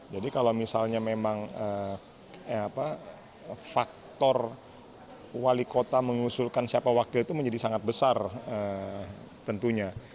jadi kalau misalnya memang faktor wali kota mengusulkan siapa wakil itu menjadi sangat besar tentunya